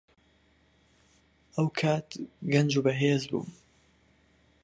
ئەو کات گەنج و بەهێز بووم.